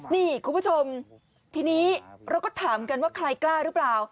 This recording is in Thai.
นี่คุณผู้ชมทีนี้เราก็ถามกันว่าใครกล้าหรือเปล่า